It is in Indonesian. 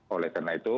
oleh karena itu